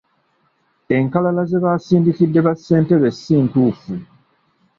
Enkalala ze baasindikidde bassentebe si ntuufu.